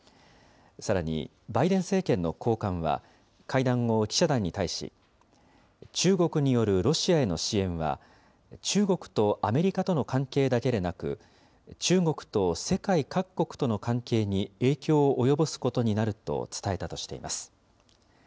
さらにバイデン政権の高官は会談後、記者団に対し、中国によるロシアへの支援は、中国とアメリカとの関係だけでなく、中国と世界各国との関係に影響を及ぼすことになると伝えたとしています。